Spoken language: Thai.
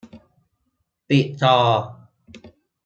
ปิดจอ